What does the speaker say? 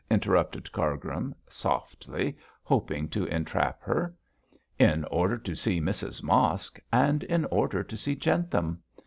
interrupted Cargrim, softly, hoping to entrap her. 'In order to see Mrs Mosk, and in order to see Jentham.